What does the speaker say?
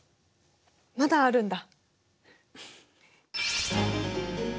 まだあるんだ？